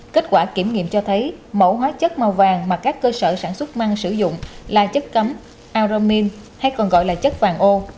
kết quả kiểm nghiệm cho thấy mẫu hóa chất màu vàng mà các cơ sở sản xuất măng sử dụng là chất cấm aumine hay còn gọi là chất vàng ô